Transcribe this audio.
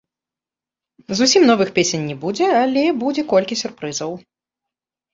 Зусім новых песень не будзе, але будзе колькі сюрпрызаў.